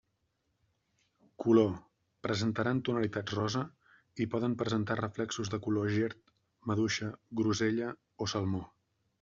Color: presentaran tonalitats rosa, i poden presentar reflexos de color gerd, maduixa, grosella o salmó.